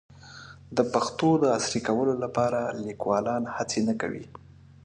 د پښتو د عصري کولو لپاره لیکوالان هڅې نه کوي.